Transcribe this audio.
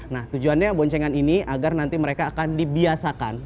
nah tujuannya boncengan ini agar nanti mereka akan dibiasakan